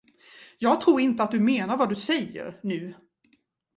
Jag tror inte att du menar vad du säger nu.